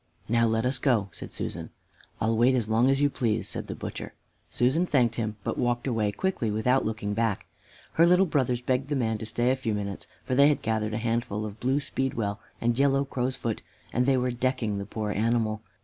"Now, let us go," said Susan. "I'll wait as long as you please," said the butcher. Susan thanked him, but walked away quickly, without looking back. Her little brothers begged the man to stay a few minutes, for they had gathered a handful of blue speedwell and yellow crowsfoot, and they were decking the poor animal.